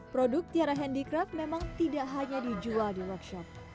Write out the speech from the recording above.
produk tiara handicraft memang tidak hanya dijual di workshop